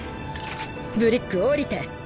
ブリック降りて。